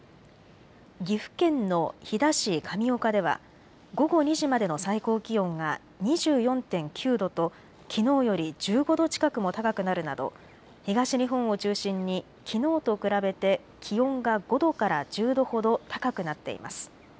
岐阜県の飛騨市神岡では午後２時までの最高気温が２４．９度ときのうより１５度近くも高くなるなど東日本を中心にきのうと比べて気温が５度から１０度ほど高くなっています。